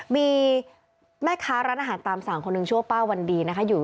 มีแม่ค้าร้านอาหารตามสั่งคนหนึ่งชั่วป้าวันดี